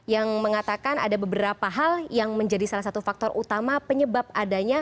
yang mengatakan ada beberapa hal yang menjadi salah satu faktor utama penyebab adanya